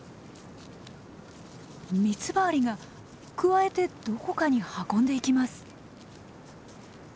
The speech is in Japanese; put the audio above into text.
ミツバアリがくわえてどこかに運んでいきます。